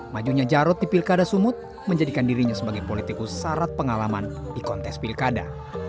majunya jarod di pilkada sumut menjadikan dirinya sebagai politikus syarat pengalaman di kontes pilkada